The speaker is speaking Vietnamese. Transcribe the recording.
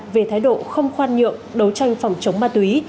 về thái độ không khoan nhượng đấu tranh phòng chống ma túy